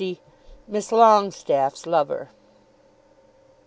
MISS LONGESTAFFE'S LOVER.